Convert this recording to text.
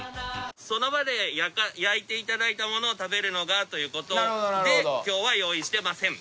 その場で焼いて頂いたものを食べるのがという事で今日は用意してません。